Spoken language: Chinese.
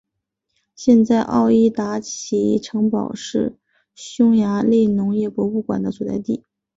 现在沃伊达奇城堡是匈牙利农业博物馆的所在地。